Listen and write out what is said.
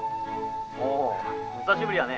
おう久しぶりやね。